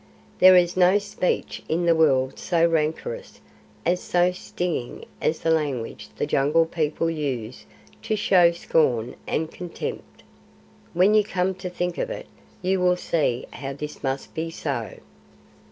There is no speech in the world so rancorous and so stinging as the language the Jungle People use to show scorn and contempt. When you come to think of it you will see how this must be so.